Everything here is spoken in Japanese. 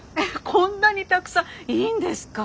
こんなにたくさんいいんですか？